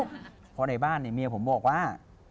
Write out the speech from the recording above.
เพราะในบ้านเนี่ยเมียผมบอกว่า